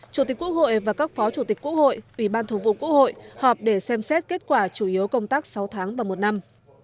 chủ tịch quốc hội và các phó chủ tịch quốc hội ủy ban thường vụ quốc hội họp để xem xét kết quả chủ yếu công tác sáu tháng và một năm